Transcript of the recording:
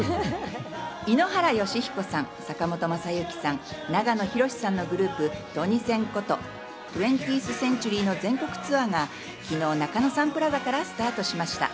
井ノ原快彦さん、坂本昌行さん、長野博さんのグループ・トニセンこと２０ｔｈＣｅｎｔｕｒｙの全国ツアーが昨日、中野サンプラザからスタートしました。